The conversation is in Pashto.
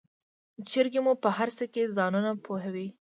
چرګې مو په هرڅه کې ځانونه پوهوي.